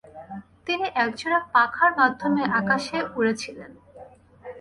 তিনি একজোড়া পাখার মাধ্যমে আকাশে উড়েছিলেন।